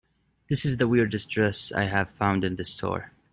That is the weirdest dress I have found in this store.